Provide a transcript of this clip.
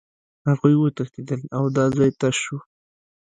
هغوی وتښتېدل او دا ځای تش شو